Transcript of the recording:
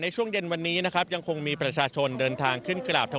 เชิญครับ